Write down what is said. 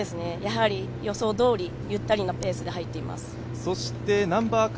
予想どおりゆったりのペースで入っています。